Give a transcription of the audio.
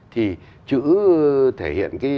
thì chữ thể hiện